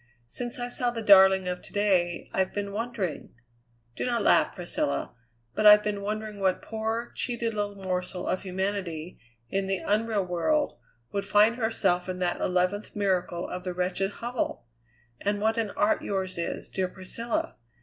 Since I saw the darling of to day I've been wondering do not laugh, Priscilla but I've been wondering what poor, cheated little morsel of humanity, in the unreal world, would find herself in that eleventh miracle of the wretched hovel? And what an art yours is, dear Priscilla!